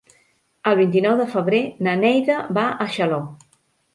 El vint-i-nou de febrer na Neida va a Xaló.